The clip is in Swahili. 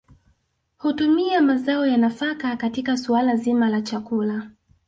Hutumia mazao ya nafaka katika suala zima la chakula